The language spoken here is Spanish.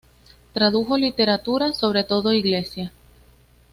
Tradujo literatura, sobre todo inglesa.